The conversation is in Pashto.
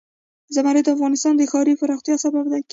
زمرد د افغانستان د ښاري پراختیا سبب کېږي.